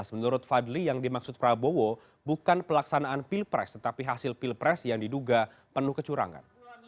menurut fadli yang dimaksud prabowo bukan pelaksanaan pilpres tetapi hasil pilpres yang diduga penuh kecurangan